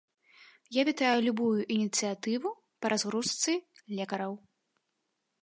Я вітаю любую ініцыятыву па разгрузцы лекараў.